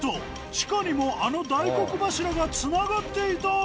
地下にもあの大黒柱がつながっていた！